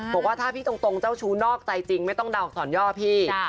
บอกว่าถ้าพี่ตรงเจ้าชู้นอกใจจริงไม่ต้องเดาอักษรย่อพี่